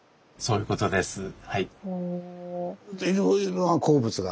そういうことです。